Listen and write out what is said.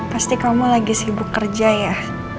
pasti kamu lagi sibuk kerja ya